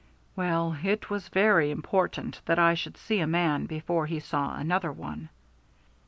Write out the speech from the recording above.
"Well, it was very important that I should see a man before he saw another one."